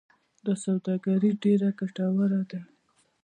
دا سوداګري ډیره ګټوره ده.